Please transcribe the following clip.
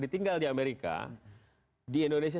ditinggal di amerika di indonesia